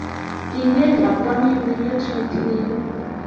Tinyet ab tamirmiriet ne tilil